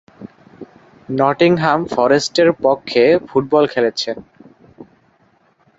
Nottingham ফরেস্টের পক্ষে football খেলেছেন।